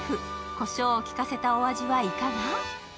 コショウを効かせたお味はいかが？